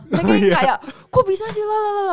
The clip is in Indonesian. mereka kayak kok bisa sih